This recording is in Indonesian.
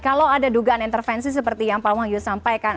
kalau ada dugaan intervensi seperti yang pak wahyu sampaikan